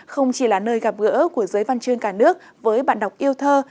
không chỉ là nơi gặp gỡ của giới văn chuyên cả nước với bạn đọc yêu thơ